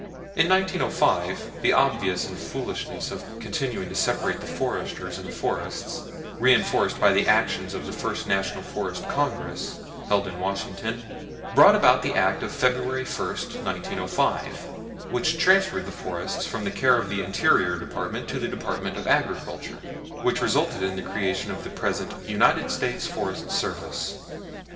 In 1905, the obvious foolishness of continuing to separate the foresters and the forests, reenforced by the action of the First National Forest Congress, held in Washington, brought about the Act of February 1, 1905, which transferred the National Forests from the care of the Interior Department to the Department of Agriculture, and resulted in the creation of the present United States Forest Service.